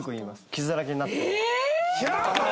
傷だらけになって。